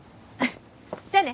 じゃあね。